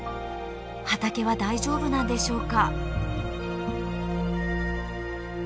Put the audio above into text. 畑は大丈夫なんでしょうか。